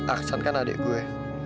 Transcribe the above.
aksan kan adik gue